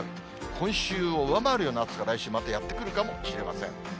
今週を上回るような暑さ、来週またやって来るかもしれません。